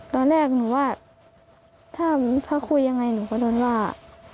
ตอนแรกหนูว่าถ้าคุยยังไงหนูก็โดนว่า